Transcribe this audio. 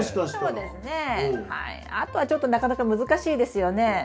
あとはちょっとなかなか難しいですよね。